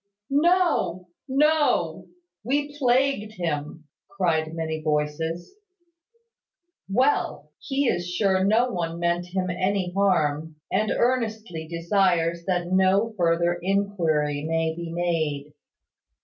"No! No! We plagued him," cried many voices. "Well! He is sure no one meant him any harm, and earnestly desires that no further inquiry may be made.